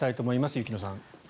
雪乃さん。